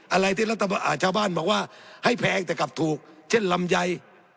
อะไรที่รัฐบาลบอกว่าให้แพงแต่กลับถูกเช่นลำไย